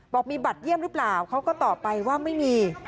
บอกมีบัตรเยี่ยมหรือเปล่าเขาก็ตอบไปว่าไม่มี